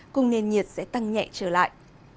cùng nền nhiệt sẽ tăng nhẹ trở lại